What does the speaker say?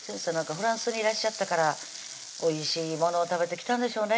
フランスにいらっしゃったからおいしいものを食べてきたんでしょうね